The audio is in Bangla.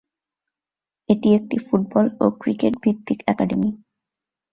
এটি একটি ফুটবল ও ক্রিকেট ভিত্তিক একাডেমি।